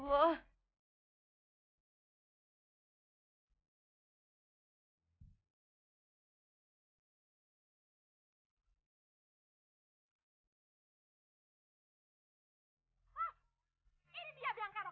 dua hari lagi